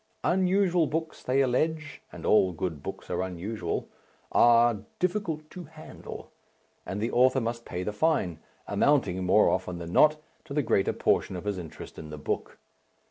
Unusual books, they allege and all good books are unusual are "difficult to handle," and the author must pay the fine amounting, more often than not, to the greater portion of his interest in the book.